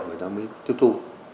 người ta mới tiếp thu